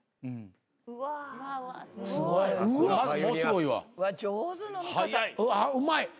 うまい。